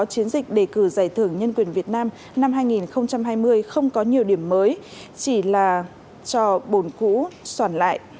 chiến dịch đề cử giải thưởng nhân quyền việt nam năm hai nghìn hai mươi không có nhiều điểm mới chỉ là trò bồn cũ soản lại